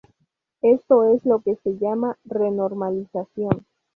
Esto es lo que se llama "renormalización".